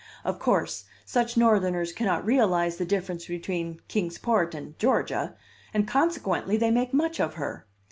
Of course, such Northerners cannot realize the difference between Kings Port and Georgia, and consequently they make much of her.